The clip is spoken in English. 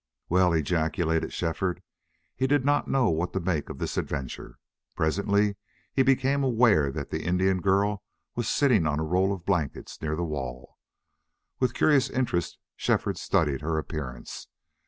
"Well!" ejaculated Shefford. He did not know what to make of this adventure. Presently he became aware that the Indian girl was sitting on a roll of blankets near the wall. With curious interest Shefford studied her appearance.